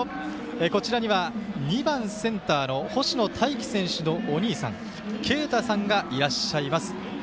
こちらには２番センターの星野泰輝選手のお兄さん、けいたさんがいらっしゃいます。